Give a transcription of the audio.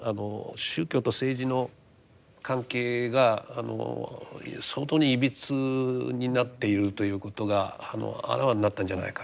宗教と政治の関係が相当にいびつになっているということがあらわになったんじゃないか。